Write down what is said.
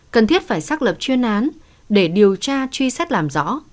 cần thiết phải xác lập chuyên án để điều tra truy xét làm rõ